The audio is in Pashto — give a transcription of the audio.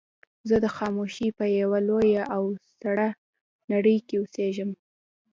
زه د خاموشۍ په يوه لويه او سړه نړۍ کې اوسېږم.